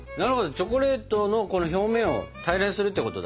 チョコレートの表面を平らにするってことだ。